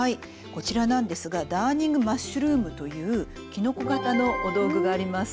こちらなんですがダーニングマッシュルームというキノコ型の道具があります。